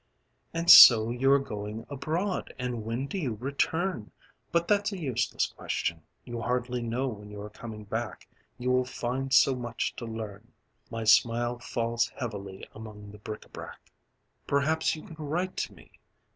"And so you are going abroad; and when do you return? But that's a useless question. You hardly know when you are coming back, You will find so much to learn." My smile falls heavily among the bric à brac. "Perhaps you can write to me."